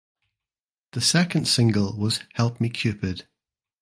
The second single was "Help Me Cupid".